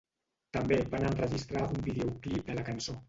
També van enregistrar un videoclip de la cançó.